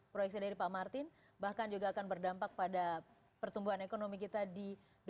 lima belas proyeksi dari pak martin bahkan juga akan berdampak pada pertumbuhan ekonomi kita di dua ribu delapan belas